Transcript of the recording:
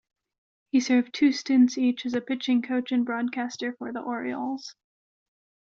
He served two stints each as a pitching coach and broadcaster for the Orioles.